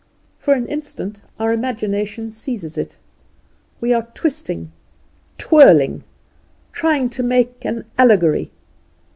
For an instant our imagination seizes it; we are twisting, twirling, trying to make an allegory.